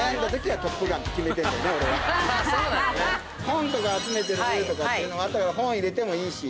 本とか集めてるとかっていうのあったら本入れてもいいし。